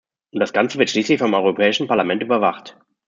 Und das ganze wird schließlich vom Europäischen Parlament überwacht.